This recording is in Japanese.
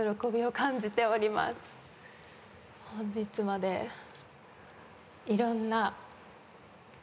本日までいろんな。